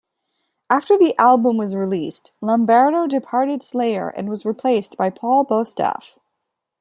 After the album was released, Lombardo departed Slayer and was replaced by Paul Bostaph.